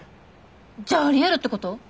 じゃあありえるってこと？